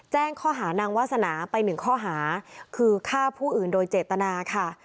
แจ้งข้อหานางวาสนาไปหนึ่งข้อหาคือฆ่าผู้อื่นโดยเจตนาค่ะ